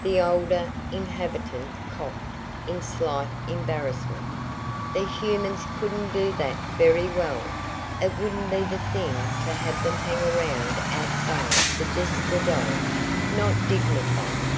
The older inhabitant coughed in slight embarrassment. "The humans couldn't do that very well. It wouldn't be the thing to have them hang around outside for just a dog not dignified."